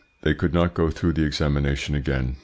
They could not go through the examination again.